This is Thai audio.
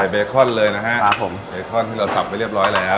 เบคอนเลยนะครับผมเบคอนที่เราสับไปเรียบร้อยแล้ว